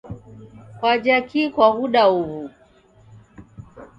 Kwaja kii kwaghuda huwu?